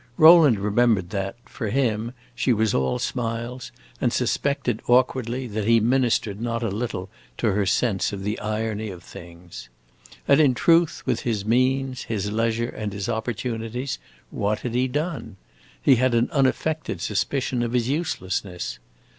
Rowland remembered that, for him, she was all smiles, and suspected, awkwardly, that he ministered not a little to her sense of the irony of things. And in truth, with his means, his leisure, and his opportunities, what had he done? He had an unaffected suspicion of his uselessness.